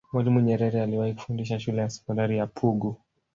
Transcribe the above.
mwalimu nyerere aliwahi kufundisha shule ya sekondari ya pugu